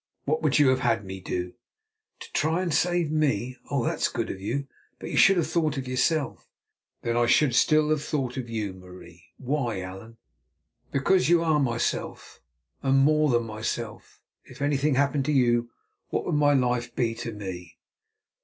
"What would you have had me do?" "To try to save me? Oh! that is good of you, but you should have thought of yourself." "Then I should still have thought of you, Marie." "Why, Allan?" "Because you are myself and more than myself. If anything happened to you, what would my life be to me?"